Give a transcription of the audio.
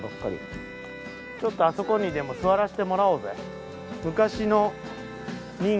ちょっとあそこにでも座らせてもらおうぜ。